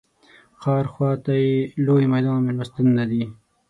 ښار خواته یې لوی میدان او مېلمستونونه دي.